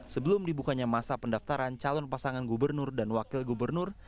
sebelum dibukanya masa pendaftaran calon pasangan gubernur dan wakil gubernur